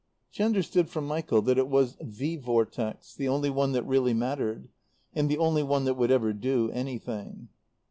She understood from Michael that it was the Vortex, the only one that really mattered, and the only one that would ever do anything.